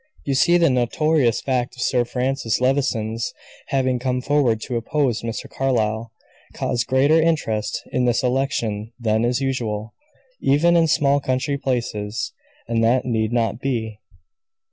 You see the notorious fact of Sir Francis Levison's having come forward to oppose Mr. Carlyle, caused greater interest in this election than is usual, even in small country places and that need not be.